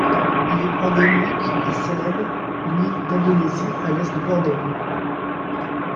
Elle est endémique à Célèbes, une île d'Indonésie à l'est de Bornéo.